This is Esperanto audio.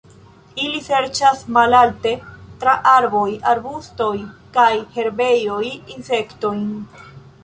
Ili serĉas malalte tra arboj, arbustoj kaj herbejoj insektojn.